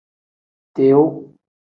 Tiu.